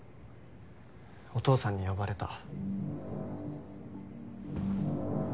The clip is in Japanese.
お父さんに呼ばれた。